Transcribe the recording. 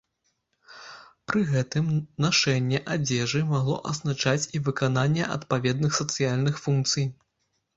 Пры гэтым нашэнне адзежы магло азначаць і выкананне адпаведных сацыяльных функцый.